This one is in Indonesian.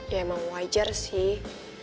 ya emang wajar sih